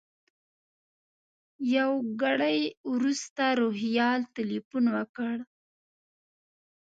یو ګړی وروسته روهیال تیلفون وکړ.